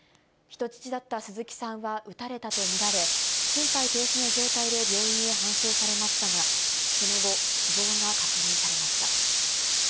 人質だった鈴木さんは撃たれたと見られ、心肺停止の状態で病院へ搬送されましたが、その後、死亡が確認されました。